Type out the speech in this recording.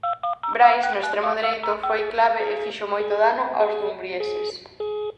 Brais, no extremo dereito, foi clave e fixo moito dano aos dumbrieses.